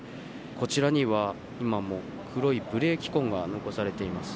こちらには今も黒いブレーキ痕が残されています。